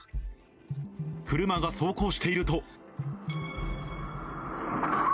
車が走行していると。